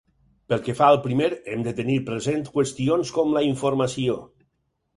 Pel que fa al primer hem de tenir present qüestions com la informació.